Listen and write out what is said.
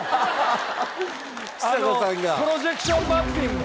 プロジェクションマッピング。